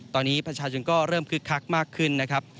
ตอนนี้ประชาชนก็เริ่มคึกคักมากขึ้นนะครับ